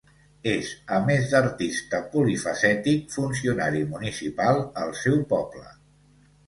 És a més d'artista polifacètic, funcionari municipal al seu poble.